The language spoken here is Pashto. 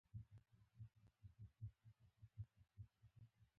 د محبت رڼا هم د دوی په زړونو کې ځلېده.